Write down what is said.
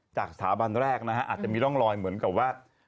จากสถาบันแรกนะฮะอาจจะมีร่องรอยเหมือนกับว่า